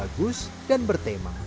bagus dan bertema